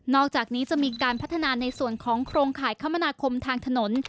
อกจากนี้จะมีการพัฒนาในส่วนของโครงข่ายคมนาคมทางถนน